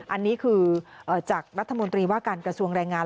อันนี้คือจากรัฐมนตรีว่าการกระทรวงแรงงาน